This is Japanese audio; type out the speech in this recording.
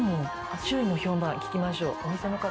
周囲の評判、聞きましょう。